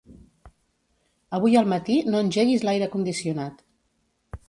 Avui al matí no engeguis l'aire condicionat.